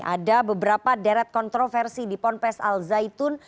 ada beberapa deret kontroversi di ponpes al zaitun